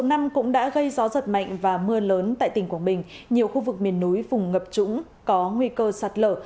năm cũng đã gây gió giật mạnh và mưa lớn tại tỉnh quảng bình nhiều khu vực miền núi vùng ngập trũng có nguy cơ sạt lở